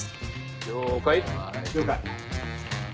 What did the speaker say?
了解。